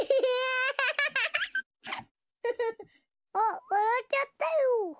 あっわらっちゃったよ。